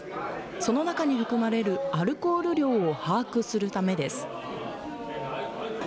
その中に含まれるアルコール量を把握するためです。